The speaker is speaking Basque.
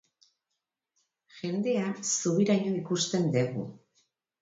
Jendea zubiraino ikusten degu.